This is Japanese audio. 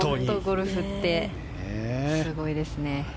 ゴルフってすごいですね。